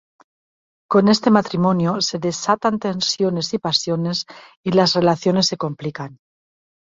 Con este matrimonio se desatan tensiones y pasiones y las relaciones se complican.